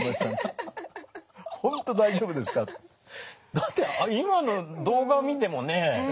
だって今の動画見てもね